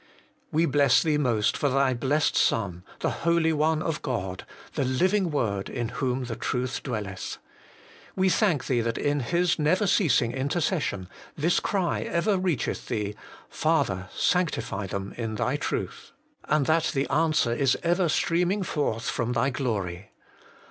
We bless Thee most for Thy Blessed Son, the Holy One of God, the Living Word in whom the Truth dwelleth. We thank Thee that in His never ceasing intercession, this cry ever reacheth Thee, ' Father, sanctify them in Thy truth,' and that the answer is ever streaming forth from Thy glory.